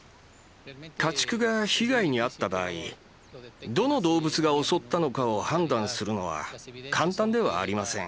家畜が被害にあった場合どの動物が襲ったのかを判断するのは簡単ではありません。